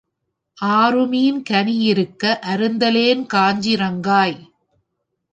ஆருமின் கனியி ருக்க அருந்தலேன் காஞ்சி ரங்காய்?